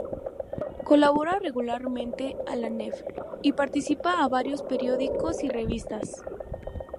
Colabora regularmente a "la Nef" y participa a varios periódicos y revistas.